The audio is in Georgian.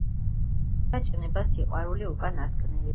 და ჭკნება, ჭკნება სიყვარული უკანასკნელი,